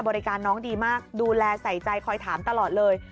น้องดีมากดูแลใส่ใจคอยถามตลอดเลย